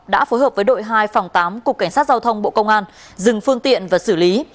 đã phối hợp với đội hai phòng tám cục cảnh sát giao thông bộ công an dừng phương tiện và xử lý